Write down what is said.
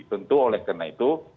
tentu oleh karena itu